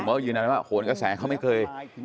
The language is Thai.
เขายืนยันว่าโหนกระแสเขาไม่เคย